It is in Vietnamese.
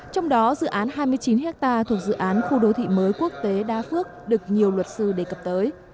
trong đó dự án hai mươi chín ha thuộc dự án khu đô thị mới quốc tế đa phước được nhiều luật sư đề cập tới